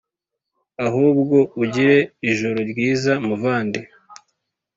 ahubwo ugire ijoro ryiza muvandi